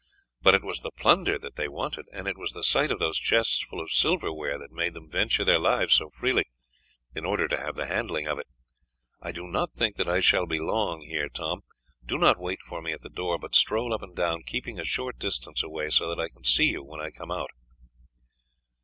But it was the plunder that they wanted, and it was the sight of those chests full of silver ware that made them venture their lives so freely, in order to have the handling of it. I do not think that I shall be long here, Tom. Do not wait for me at the door, but stroll up and down, keeping a short distance away, so that I can see you when I come out."